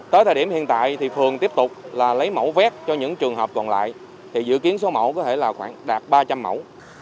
tới thời điểm hiện tại phường tiếp tục lấy mẫu vét cho những trường hợp còn lại dự kiến số mẫu có thể đạt khoảng ba trăm linh mẫu